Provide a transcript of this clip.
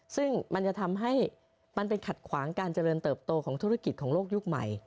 ซึ่งมันจะทำให้มันเป็นขัดขวางการเจริญเติบโตของธุรกิจของโลกยุคใหม่